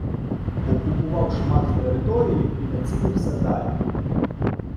Окупував шмат території і націлився далі.